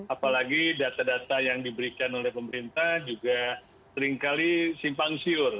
apalagi data data yang diberikan oleh pemerintah juga seringkali simpang siur